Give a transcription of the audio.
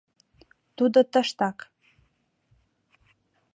Тудо тыштак.